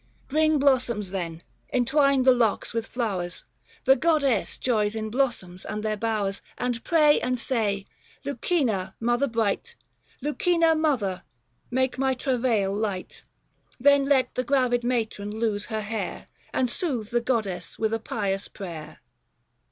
Bring blossoms then, entwine the locks with flowers, The goddess joys in blossoms and their bowers ; And pray and say, —•" Lucina, mother bright, 270 Lucina, mother, make my travail light !" Then let the gravid matron loose her hair, And soothe the goddess with a pious prayer.